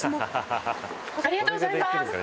ありがとうございます！